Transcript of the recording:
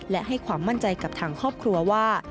และให้ความมั่นใจกับทางครอบครัวว่า